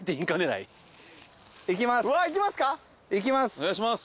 お願いします。